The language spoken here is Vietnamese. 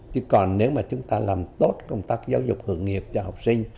chứ còn nếu mà chúng ta làm tốt công tác giáo dục hướng nghiệp cho học sinh